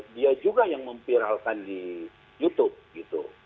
dia juga yang memviralkan di youtube gitu